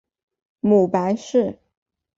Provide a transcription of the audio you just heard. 母白氏。